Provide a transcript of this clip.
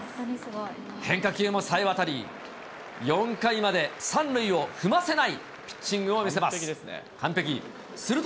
変化球もさえ渡り、４回まで３塁を踏ませないピッチングを見せま完璧ですね。